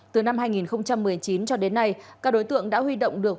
từ năm hai nghìn một mươi chín cho đến nay các đối tượng đã huy động được